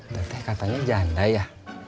teteh katanya janda ya